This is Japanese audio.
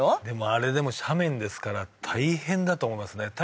でもあれ斜面ですから大変だと思いますね